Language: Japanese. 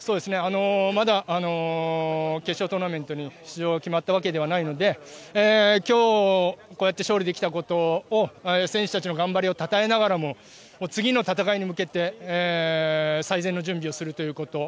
まだ決勝トーナメントへの出場が決まったわけではないので今日、こうやって勝利できたことを選手たちの頑張りをたたえながらも次の戦いに向けて最善の準備をするということ。